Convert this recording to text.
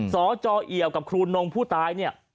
สจเอี่ยวกับครูนงผู้ตายเนี่ย